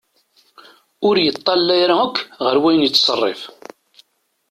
Ur yeṭallay ara akk ɣer wayen yettserrif.